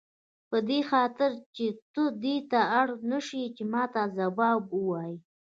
په دې خاطر چې ته دې ته اړ نه شې چې ماته ځواب ووایې.